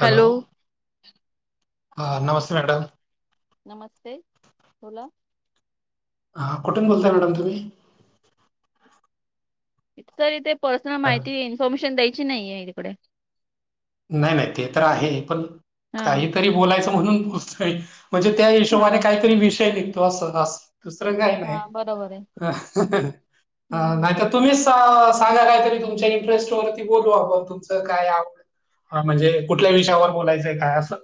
Hello हां नमस्ते madam नमस्ते बोला हा कुठून बोलताय मॅडम तुम्ही सर इथे पर्सनल अ, माहिती इन्फॉर्मेशन द्यायची नाय ये इकडे नाय नाय ते तर आहे पण हा काहीतरी बोलायचं म्हणून [unintelligible] म्हणजे त्या हा हिशोबाने काहीतरी विषय निघतो. असं असं दुसरं काय नाय हा बरोबर आहे ह हम्म हम्म नाय हम्म तर तुम्हीच सांगा काय तरी तुमच्या इंटरेस्ट वरती बोलू आपण तुमच काय आवड हा म्हणजे कुठल्या विषयावर बोलायचंय काय असं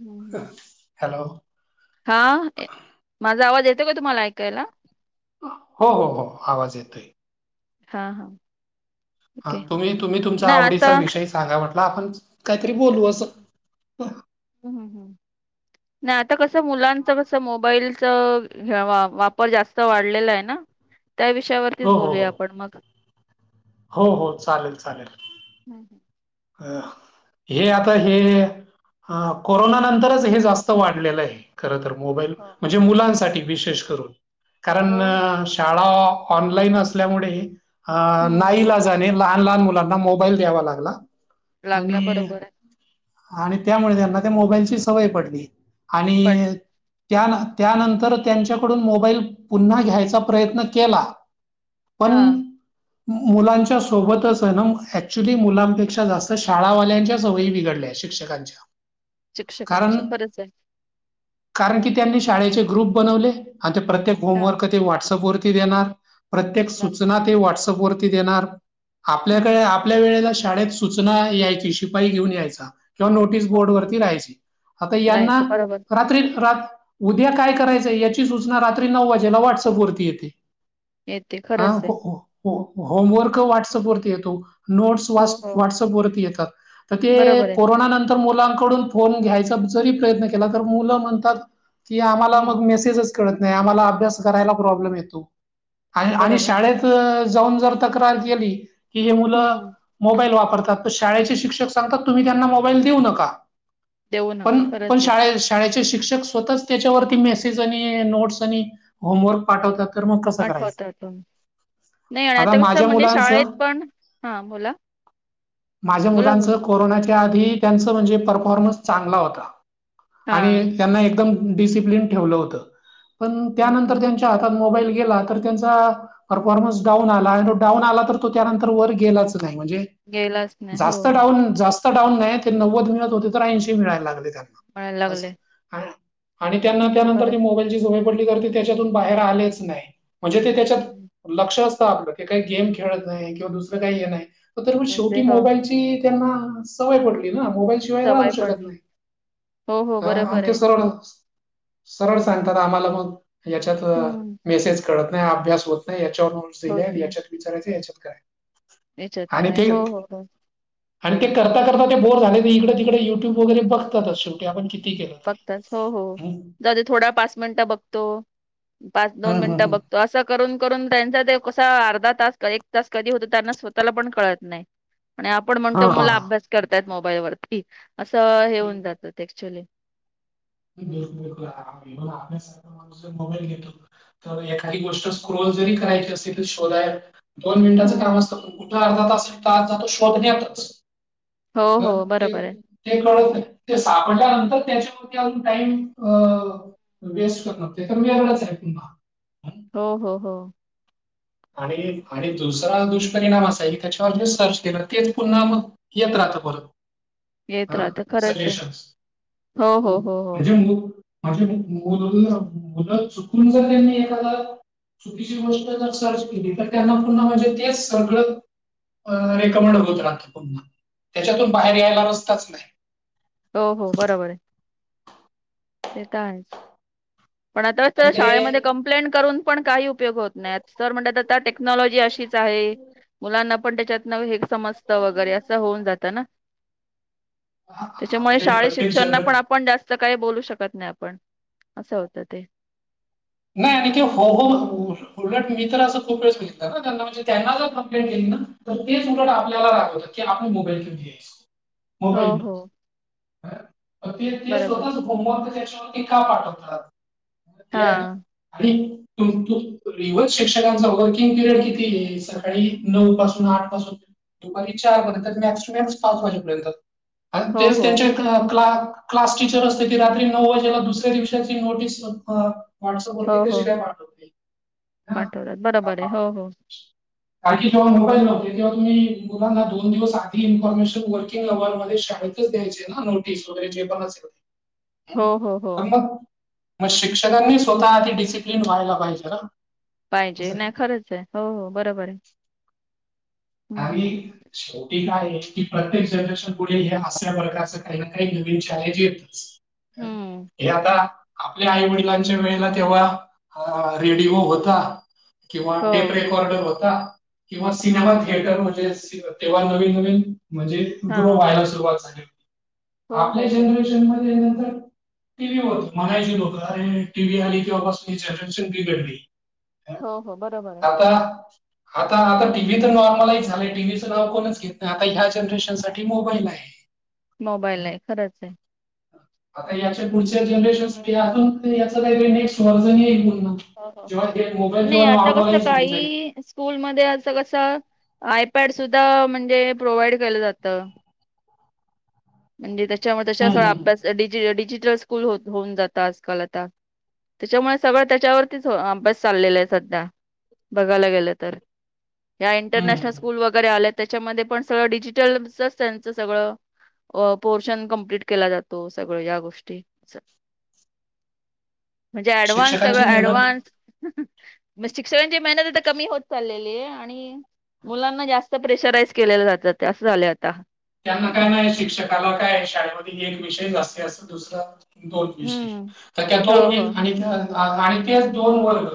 हम्म हम्म. हॅलो हा माझा आवाज येतोय का तुम्हाला ऐकायला हों हों हों आवाज येतोय. हां हां. हां तुम्ही तुम्ही तुमचा नाही आता आवडीचा विषय सांगा म्हंटला आपण काहीतरी बोलू असं- हो, हुं हुं [unintelligible] नाय आता कसं मुलांच कंस मोबाईलच ह्या वा वापर जास्त वाढलेला आहे नां त्या विषयावरतीच बोलूया आपण मंग. हों हों चालेल चालेल. हुं हूं [unintelligible] हे आता हे- हां कोरोना नंतरच हे जास्त वाढलेलंय. खर तर मोबाईल हो म्हणजे मुलांसाठी विशेष करून हो हो कारण- शाळा ऑनलाईन असल्यामुळे आं हम्म नाईलाज- झाले लहान लाहान मुलांना मोबाईल द्यावा लागला. लागला आणि बरोबर आहे आणि त्यामुळे त्यांना त्या मोबाईलची सवय पडली. पडली आणि- त्या त्यानंतर त्यांच्याकडून मोबाईल पुन्हा घ्यायचा प्रयत्न केला- पण हा मुलांच्या सोबतच हायना एँकच्युली मुलांपेक्षा जास्- त शाळावाल्यांच्या सवयी बिघडल्या शिक्षकांच्या. कारण शिक्षकांच खरंच आहे. कारण की त्यांनी शाळेचे ग्रुप बनवले आणि ते प्रत्येक हा होमवर्क- ते व्हॉट्सअप वरती देणार, प्रत्येक ला- सूचना ते व्हॉट्सअप वरती देणार. हम्म आपल्याकडे आपल्या वेळेला शाळेत सूचना यायची शिपाई घेऊन यायचा. किंवा नोटीस हो बोर्ड हो. वरती राहायची आता यांना जायचं बरोबर रात्रीत रात्र- उद्या काय करायचंय याची सूचना रात्री नऊ वाजेला व्हॉट्सअप वरती येते. येते हां खरंच आहे. हो -हो -होमवर्क व्हॉट्सअप वरती येतो नोट्स हो व्हा- हो व्हॉट्सअप वरती येतात तर ते बरोबर आहे. कोरोनानं- तर मुलांकडून फोन घ्यायचा जरी प्रयत्न केला तर मुलं म्हणतात- की आम्हाला मग हम्म मेसेजच कळत नाही, आम्हाला अभ्यास करायला प्रॉब्लेम येतो. आण आणि बरोबर आहे शाळेत जाऊन जर तक्रार केली की हे मुलं हम्म मोबाईल वाप- करतात शाळेचे शिक्षक सांगतात तुम्ही त्यांना मोबाईल देऊ नका. देऊ नका पण पण खरंच आहे. शाळेस- शाळेचे शिक्षक स्वतःच त्याच्यावरती मेसेज आणि नोट्स आणि होमवर्क पाठवतात. तर मग कसं करायचं पाठवतातून आणि आता कसं माझ्या म्हणजे मुलांचं शाळेत पण हा बोला- माझ्या बोला बोला मुलांचं कोरोनाच्या आधी त्यांचं म्हणजे परफॉर्मन्स चांगला होता. हा आणि त्यांना एकदम डिसिप्लन ठेवलं होत पण ओके त्यानंतर त्यां- च्या हातात मोबाईल गेला तर त्यांचा- परफॉर्मन्स डाऊन आला आणि तो डाऊन आला तर तो त्यानंतर वर गेलाच नाही म्हणजे- गेलाच- नाही हो जास्त डाऊन जास्त डाऊन नायी ते नव्वद मिळत होते तर ऐंशी मिळायला लागले त्यांना. म्हणायला अस लागले आण आणि त्यांना हम्म बरं त्यानंतर मोबाईलची सवय- पडली कारण ते त्याच्यातून बाहेर आलेच नाय म्हणजे ते त्याच्यात हम्म. लक्ष असतं आपलं की काही गेम खेळत नाही किंवा दुसरं काही हे नाही त तरी पण शेव- असे हो त्याची त्यांना सवय पडली नां. शिवाय राहू सवय शकत पडली नाही हो हो आं आणि बरोबर ते आहे सरळच- सरळ सांगतात आम्हाला मग ह्याच्यात हम्म मेसेज- कळत नाय, अभ्यास होत नाही याच्यावर नोट्स दिले, होत याच्यात विचारायच, याच्यात काय- याचत आणि काय हों ते हों हों आणि ते करता करता ते बोर झाले ते इकडे तिकडे युट्यूब वगैरे बघतातच शेवटी आपण किती केलं तरी बघताच हो हो हं? दादा थोडा पाच मिनिटं बघतो पाच दोन हं, हं, मिनिटं हं. बघ तो असं करून करून त्यांचा ते कसा अर्धा तास एक तास कधी होतो त्यांना स्वतःला पण कळत नाही आणि आपण हा म्हणतो हा मुला हा. अभ्यास करतायत मोबाईल वरती असं हे होऊन जातात ऍक्च्युली ला घेतो तर एखादी गोष्ट स्क्रोल जरी करायची असे तर शोधाय दोन मिनिटांचं हम्म काम असतं पण कुठं अर्धा तास आणि तास जात शोधण्यातच. हो ह हो ते बरोबर आहे ते कळत ते सापडल्यानंतर त्याच्यावरती अजून टाईम अ वेस्ट करत नते तर मरणारच आहे पुन्हा. हो हो हो. आणि आणि दुसरा दुष्परिणाम असा क त्याच्यावर ज सर्च केलं तेच पुन्हा मग येतं राहत बर. येत हा राहत खरंच आहे सजेशन हो [unintelligible] हो हो हो म्हणे मुलं चुकून जर त्यांनी एखाद चुकीची गोष्ट जर सर्च केली तर त्यांना पुन्हा म्हणजे तेचं सगळ हं. रेकमेंड होत राहत. त्याच्यातून बाहेर यायला रस्ताच नाही. हो हो बरोबर आहे. ते तर आहेच पण आताच तर शाळेमध्ये कंप्लेंट करून पण काही उपयोग होत नाही आता सर म्हणतात टेक्नॉलॉजी अशीच आहे मुलांना पण त्याच्यातनं समजत वगैरे असं होऊन जातं ना. आ- आता त्याच्यामुळे ते शाळे प्रत्येक शिक्षण जनरेशन पण आपण जास्त काही बोलू शक त नाही आपण असं होत ते. नाही आणि के हो हो उलट मी तर असं खूप वेळेस बघित ना त्यांना म्हणजे त्यांना जर कंप्लेंट केली ना तर तेच उलट आपल्याला रागवतात. कि आपण मोबाईल घयच हो, मोबाईल हो. ते ते बरोबर. स्वतःच होम वर्क त्याच्यावरती का पाठवतात हे आहे ना हां. आणि तू रिवार्स शिक्षकांचा वर्किंग पिरियड कितीये सकाळी नऊ पासून आठ पासून दुपारी चार परीयंत मॅक्स टू मॅक्स पाच वाजेपर्यंत आणि हो, तेच हो. त्यांच्या क्लास टीचर असते ती रात्री नऊ वाजेला दुसऱ्या दिवसाची नोटीस व्हाट्सअँप वरती हो, हो. कशी काय पाठवते. हा पाठवतात बरोबर आहे हो हो. कारण की जेव्हा मोबाईल नव्हते तेव्हा तुम्ही मुलाना दोन दिवस आधी इन्फॉर्मेशन वर नवाल शाळेतच द्यायचे ना नोटीस वगैरे जे पण असेल हो, हो, हो. ते. मग शिक्षकांनी स्वतः आधी डिसिप्लिन व्हायला पाहिजे ना. पाहिजे असं आहे. नाही खरंच आहे हो हो बरोबर आहे. हं, हं, आणि हं. [unintelligible] एक आहे की प्रत्येक जनरेशन पुढे हे अस्या वर्गाचं काही ना काही नवीन शाळजी येतचं. हं. हे आता आपल्या आई वडिलांच्या वेळेला तेव्हा रेडिओ होता, किंवा टेप हो. रेकॉर्डर होता, किंवा सिनेमा हं, हं. थेटर म्हणजे तेव्हा नवीन नवीन म्हणजे ग्रो हां. व्हायला सुरुवात झाली होती हो, आपल्या हो, हो. जनरेशन मध्ये नंतर टीव्ही म्हणायची लोक अरे टीव्ही आली कि बापास [unintelligible] घडली. हो हो बरोबर आहे. आता आता आता टीव्ही तर नॉ र्मल झालंय टीव्हीचं नाव कोणच घेत नाही आता ह्या जनरेशन साठी मोबाईल आहे. मोबाईल हं. आहे खरंच आहे. आता याच्या पुढच्या जनरेशनसाठी अजून याच काहीतरी नेक्स्ट वर्जन येईल पण मग. हं हा नाही आता कस होऊन जाईल. काही स्कूलमध्ये असं कस आयपॅड सुद्धा म्हणजे प्रोव्हाइड केलं जात म्हणजे त्याच्यामध्ये हम्म सगळा हम्म अभ्यास डीजी डिजिटल स्कूल होऊन जात आज काल आता त्याच्यामुळे सगळंच त्याच्यावरतीच अभ्यास चाललेला आहे सध्या बघायला गेलं तर. ह्या इंटरनॅशनल हम्म स्कूल वगैरे आल्यात त्याच्यामध्ये पण सगळं डिजिटलचच त्यांचं सगळं अ पोर्शन कंप्लीट केला जातो सगळं या गोष्टी. [inaudible] म्हणजे ऍडव्हान्स सगळं शिक्षकांची मेहनत ऍडव्हान्स म शिक्षकची मेहनत आता कमी होत चाललेली आहे आणि मुलांना जास्त प्रेशराईज केलेलं जात असं झालं आता. त्यांना काय नाही शिक्षकाला काय शाळेमध्ये एक विषय जास्ते अस दुसरं दोन विषय हम्म तर [unintelligible] हो हो आणि त्या आणि तेच दोन वर्ग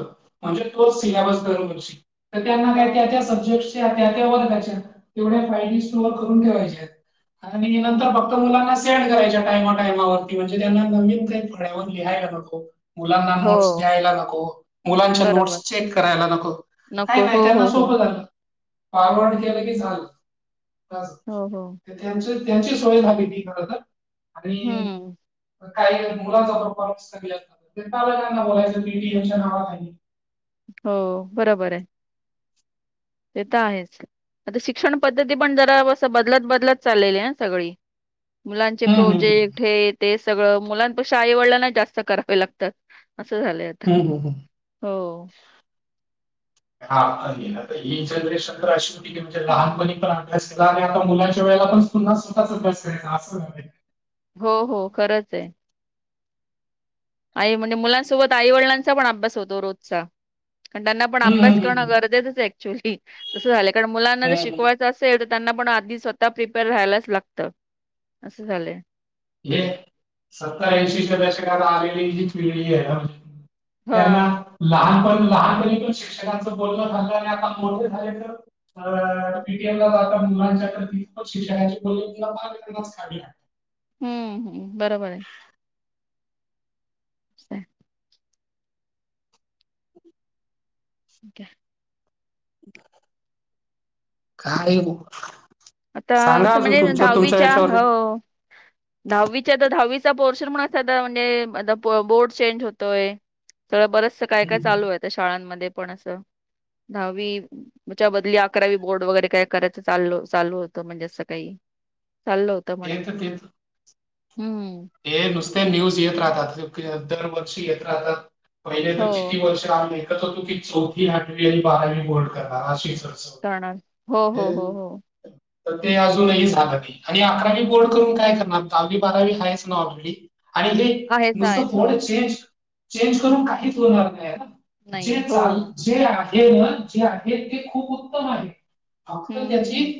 म्हणजे तोच सिलेबस दर वर्षी तर त्यांना हो काय त्या हो त्या सब्जेक्टच्या त्या त्या वर्गाच्या तेवढ्या फाय डीोअर करून ठेवायचे आणि नंतर हम्म ब मुलांना सेंड करायच्या टायमा टायमावरती म्हणजे त्यांना नवीन काही फळ्यावर लिहायला नको. मुलांना हो नोट्स द्यायला नको मुलांच्या बरोबर. नोट्स चेक करायला नको. का नको हो नाही त्यांना हो हो सोपं झालं, फौरवड केलं की झालं. हो हो. त्यां त्यांची सोय झाली ती खर तर आणि हम्म काही मुलाचा प्रफॉर्मन्स असतलकांना बोलायचं टीच्या नाव हो बरोबर आहे. ते तर आहेच. आता शिक्षण पद्धती पण जरा अससं बदलत बदलत चाललेली आहे. सगळी मुलांचे हम्म हम्म प्रोजेक्ट कुठे ते सगळं मुलांपेक्षा आई वडिलांना जास्त करावे लागतात असं झाले. हम् हम ह. हा अ ना ही जनरेशन तर अशी होती की म्हणजे हम्म लहानपणी प्र अभ्यास केला आणि आता मुलांच्या वेळेला पण पुन्हा स्वतःच अभ्यास कचा असं. हो हो खरंच आहे. आई म्हणजे मुलांसोबत आई वडिलांचा पण अभ्यास होतो रोजचा कारण त्यांना पण हम्म अभ्यास हम्म हम्म करणं गरजेचंच ऍक्च्युअली तसं झालं कारण मुलांना हम्म. हम्म हम्म. शिकवायचं. त्यांना पण आधी स्वतः प्रिपेअर राहायलाच लागत असं झालंय हे सत्तरऐंशीच्या दशकाला आलेली जी पिढी आहे. हा त्यांना लहानपण लहानपणीतून शिक्षकांचं बोलणं झालं आणि आता मोठे झाले. अ पीटीएम ला जा मुलांच्या प्रतीचं शिक्षणाची बवी हम्म हम् बरोबर आहे. अ. अठीक काय आता सांगा असं अजून म्हणजे तुमचं तुमच्या दहावीच्या याच्यावरती हो दहावीच्या तर दहावीचा पोर्शन म्हणून असा म्हणजे आता बोर्ड चेंज होतोय. सगळं बरचस काय काय हम्म, चालू आहे. शाळांमध्ये पण असं दहावीच्या बदली अकरावी बोर्ड वगैरे काय करायचं चालो. चालू होत म्हणजे असं काही चाललं होत म्हणे तेच तेच हम्म. हे नुसते न्यूज येत राहतात दरवर्षी येत राहतात. पहिले तर हो किती वर्ष राह ऐ एकत होतो की चौथी आठवी आणि बारावी बोर्ड करणार हाशी खर्च. करणार हो, हो, हो, हो. तर ते अजूनही झालं की. आणि अकरावी बोर्ड करून काय करणार दहावी बारावी हायच ना ऑलरेडी. आणि हे आहेच नुसतं आहेच हो बड चेंज चेंज करून काहीच होणार नाही ना. जे नाहीये हो चाल जे आहे. मग जे आहे. ते खूप उत्तम आहे. फक्त हम्म हम्म त्याची हम्म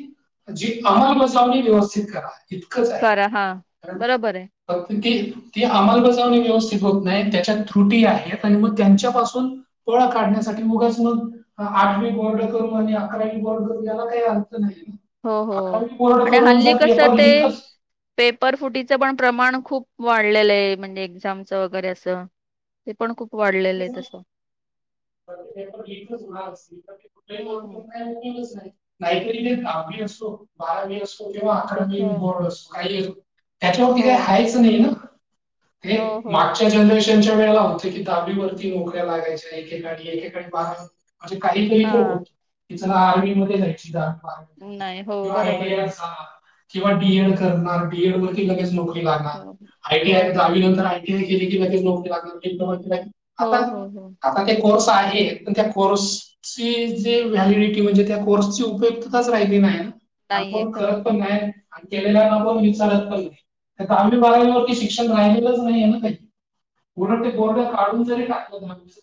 जी अंमलबजावणी व्यवस्थित करा. इतकंच आहे करा हा कारण बरोबर आहे. फक्त गेल ती अंमलबजावणी व्यवस्थित होत नाही. त्याच्या त्रुटी आहेत आणि मग त्यांच्यापासून पळ हम्म. काढण्यासाठी मुगच मग आठवी बॉर्ड करू आणि अकरावी बॉर्ड ला काही अर्थ नाही हो हो आकामी बोर्ड आणि करून हल्ली जर कसं पेपर ते कच पेपर फुटीचं पण प्रमाण खूप वाढलेलं आहे म्हणजे एक्झामच वगैरे असं ते पण खूप वाढलेलं आहे तसं पेपर लिकच होत असतील तर कुठे हम्म. ब काहीतरी ते दहावी असो बारावी असो किंवा हो अकडमी हो बोर्ड असो काही येतो. त्यातवरती काही हो हायच नाही ना हे हो हो. मागच्या जनरेशनच्या वेळेला होते की दाबीवरती हम्म. नोकऱ्या लागायच्या का एका बार म्हणे काही कहीित्रक हा होत की चला आर्मी मध्ये जायची. नाही हो बरोबर आयटी आहे किंवा बीएड करणार बीएड वरती लगेच नोकरी हो लागणार हो आयटीआय हो आयटी केली की नोकरी लाग हो हो हो आता ते कोर्स आहे प त्या कोर्स ची जे व्हॅलिडिटी म्हणजे त्या कोर्सची उपयुक्तच राहिली नाही ना आणि नाहीये कोण खरंच खत आहे. पण नाही आणि केलेल्याना पण विचारत पण नाही आम्ही बाारंवरती शिक्ष नाही बर्ड काढ जरीाक